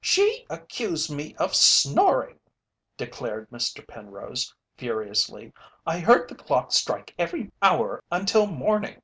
"She accused me of snoring!" declared Mr. Penrose, furiously. "I heard the clock strike every hour until morning!